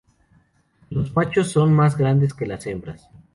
Los machos son más grandes que las hembras.